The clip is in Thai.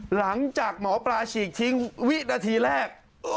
หลังจากหมอปลาฉีกทิ้งวินาทีแรก